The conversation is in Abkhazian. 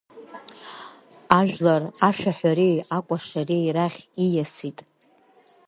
Ажәлар ашәаҳәареи акәашареи рахь ииасит.